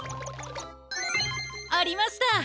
ありました！